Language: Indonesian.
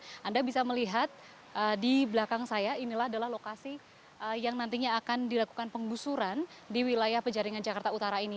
dan anda bisa melihat di belakang saya inilah adalah lokasi yang nantinya akan dilakukan penggusuran di wilayah penjaringan jakarta utara ini